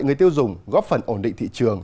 người tiêu dùng góp phần ổn định thị trường